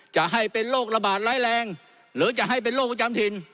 จะให้เป็นโรคระบาดร้ายแรงหรือจะให้เป็นโรคประจำถิ่น